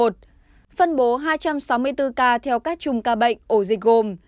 phân bố hai trăm sáu mươi bốn ca theo các chùm ca bệnh ổ dịch gồm